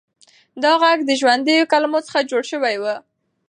دا غږ د ژوندیو کلمو څخه جوړ شوی و.